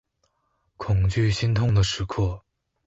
恐惧心痛的时刻